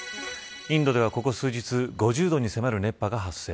インドではここ数日、５０度に迫る熱波が発生。